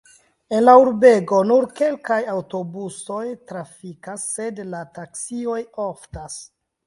En la urbego nur kelkaj aŭtobusoj trafikas, sed la taksioj oftas.